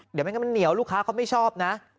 เดี๋ยวไม่งั้นมันเหนียวลูกค้าเขาไม่ชอบนะ